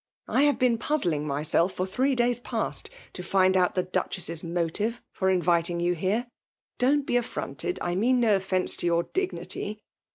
I have been puzzling myself, for three days past, to find out the Duchess's motive for inviting you here. Don't be af fronted— 1 mean no ofience to your dignity.